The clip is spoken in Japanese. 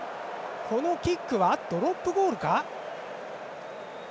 キックはドロップゴールか？